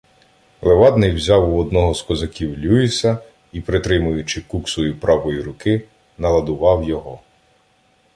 Левадний взяв у одного з козаків "Люїса" і, притримуючи куксою правої руки, наладував його.